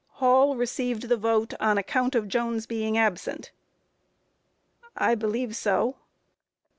Q. Hall received the vote on account of Jones being absent? A. I believe so.